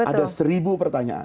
ada seribu pertanyaan